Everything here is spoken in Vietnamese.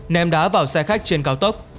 ném đá vào xe khách trên cao tốc